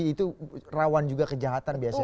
itu rawan juga kejahatan biasanya